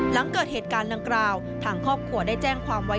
หลังเกิดเหตุการณ์ดังกล่าวทางครอบครัวได้แจ้งความไว้